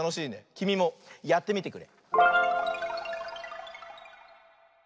きみもやってみてくれ！